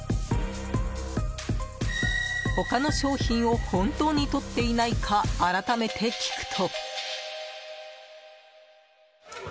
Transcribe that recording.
他の商品を本当にとっていないか改めて聞くと。